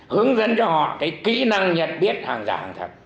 hướng dẫn cho họ cái kỹ năng nhận biết hàng giả hàng thật